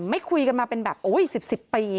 ไม่คุยกันมาเป็นแบบ๑๐ปี